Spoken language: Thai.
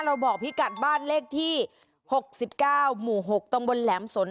บอกพี่กัดบ้านเลขที่๖๙หมู่๖ตำบลแหลมสน